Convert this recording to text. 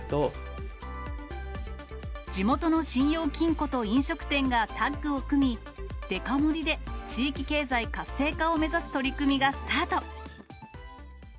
地元の信用金庫と飲食店がタッグを組み、デカ盛りで地域経済活性化を目指す取り組みがスタート。